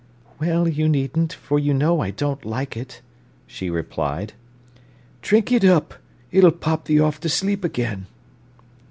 "Well, you needn't, for you know I don't like it," she replied. "Drink it up; it'll pop thee off to sleep again."